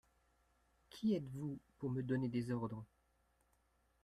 Qui êtes-vous pour me donner des ordres ?